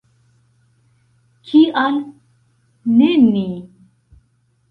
Kial ne ni?